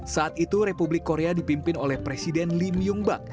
saat itu republik korea dipimpin oleh presiden lim yung bak